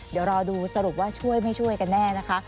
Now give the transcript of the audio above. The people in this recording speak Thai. เดี๋ยวรอดูสรุปว่าช่วยไม่ช่วยกันแน่นะคะ